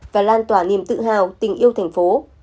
và lan tỏa niềm tự hào tình yêu thành phố